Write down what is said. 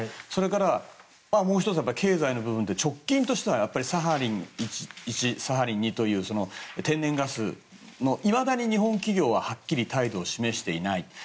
それから、もう１つは経済の部分で直近としてはサハリン１、サハリン２という天然ガスのいまだに日本企業ははっきり態度を示していない。